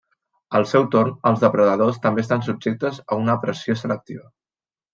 Al seu torn els depredadors també estan subjectes a una pressió selectiva.